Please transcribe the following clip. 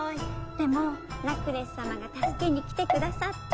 でもラクレス様が助けに来てくださった。